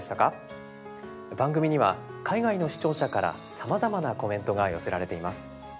番組には海外の視聴者からさまざまなコメントが寄せられています。